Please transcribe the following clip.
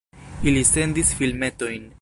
Ili sendis filmetojn.